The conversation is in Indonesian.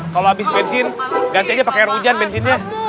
kalau habis bensin ganti aja pakai air hujan bensinnya